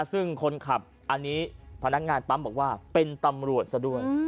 ซึ่งคนขับอันนี้พนักงานปั๊มบอกว่าเป็นตำรวจซะด้วย